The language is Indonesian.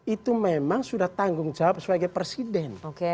itu memang sudah tanggung jawab sebagai presiden